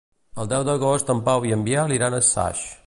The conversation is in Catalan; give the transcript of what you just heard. El deu d'agost en Pau i en Biel iran a Saix.